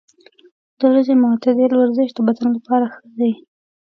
د ورځې معتدل ورزش د بدن لپاره ښه دی.